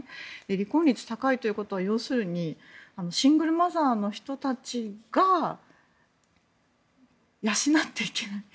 離婚率が高いということは要するにシングルマザーの人たちが養っていけない。